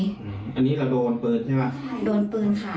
อันนี้เราโดนปืนใช่ไหม